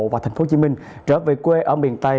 và tp hcm trở về quê ở miền tây